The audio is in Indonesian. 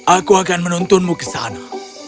aku akan menuntunmu ke sana